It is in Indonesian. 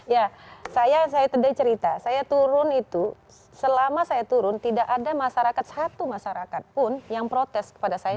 ya saya tadi cerita saya turun itu selama saya turun tidak ada masyarakat satu masyarakat pun yang protes kepada saya